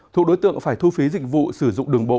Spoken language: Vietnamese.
thuộc đối tượng phải thu phí dịch vụ sử dụng đường bộ